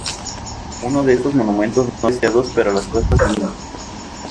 Es uno de esos momentos no deseados, pero las cosas cambian.